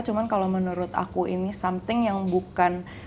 cuma kalau menurut aku ini something yang bukan